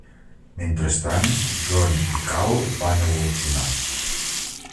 Mentrestant, John i Karl van evolucionar.